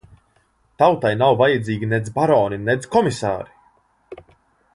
Tautai nav vajadzīgi nedz baroni, nedz komisāri!